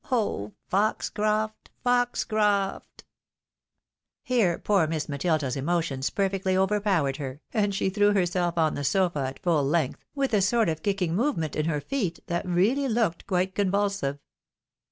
Oh Foxcroft! Foxcroft!" Here poor Miss Matilda's emotions perfectly overpowered her, and she threw herself on the sofa at full length, with a sort of kick ing movement in her feet that really looked quite convulsive.